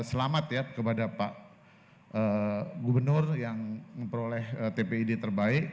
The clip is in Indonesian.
selamat ya kepada pak gubernur yang memperoleh tpid terbaik